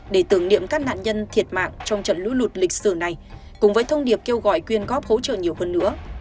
để tưởng niệm các nạn nhân thiệt mạng trong trận lũ lụt lịch sử này cùng với thông điệp kêu gọi quyên góp hỗ trợ nhiều hơn nữa